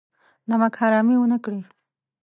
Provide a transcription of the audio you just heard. نمک حرامي ونه کړي.